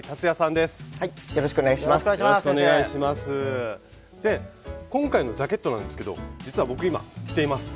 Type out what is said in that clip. で今回のジャケットなんですけど実は僕今着ています。